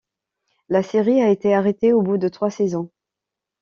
La série a été arrêtée au bout de trois saisons.